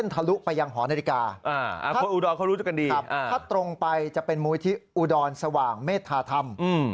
ตรงไปจะเป็นมุดที่อุดรสว่างเมธาธรรม